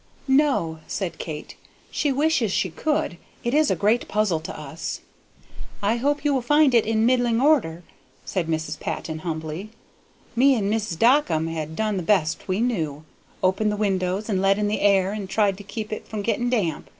"No," said Kate; "she wishes she could: it is a great puzzle to us." "I hope you will find it in middling order," said Mrs. Patton, humbly. "Me and Mis' Dockum have done the best we knew, opened the windows and let in the air and tried to keep it from getting damp.